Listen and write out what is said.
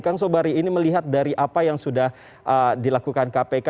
kang sobari ini melihat dari apa yang sudah dilakukan kpk